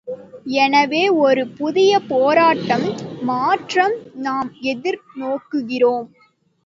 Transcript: எனவே ஒரு புதிய போராட்டம் மாற்றம் நாம் எதிர் நோக்குகிறோம்.